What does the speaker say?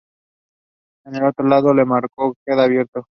El otro lado del marco queda abierto.